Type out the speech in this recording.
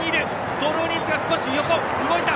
ソールオリエンスが少し横動いた！